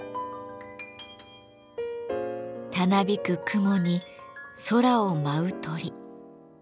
たなびく雲に空を舞う鳥。